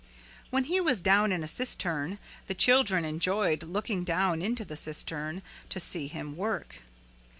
When he was down in a cistern the children enjoyed looking down into the cistern to see him work.